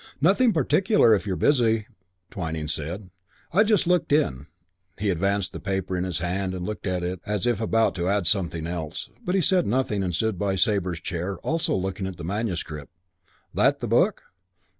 "Nothing particular, if you're busy," Twyning said. "I just looked in." He advanced the paper in his hand and looked at it as if about to add something else. But he said nothing and stood by Sabre's chair, also looking at the manuscript. "That that book?"